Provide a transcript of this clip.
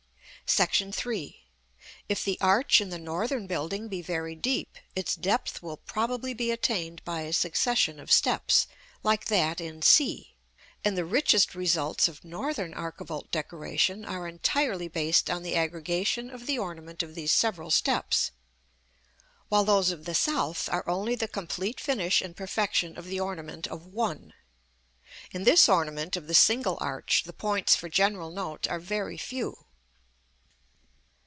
[Illustration: Fig. LXIX.] § III. If the arch in the northern building be very deep, its depth will probably be attained by a succession of steps, like that in c; and the richest results of northern archivolt decoration are entirely based on the aggregation of the ornament of these several steps; while those of the south are only the complete finish and perfection of the ornament of one. In this ornament of the single arch, the points for general note are very few.